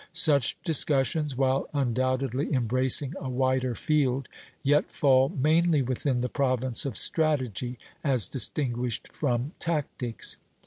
Such discussions, while undoubtedly embracing a wider field, yet fall mainly within the province of strategy, as distinguished from tactics.